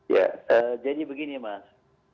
ya jadi begini mas